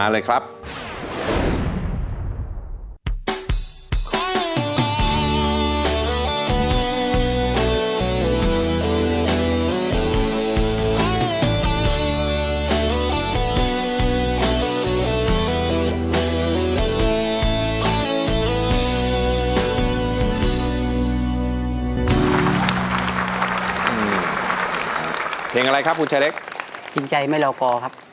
ดีใจไม่เรากอครับ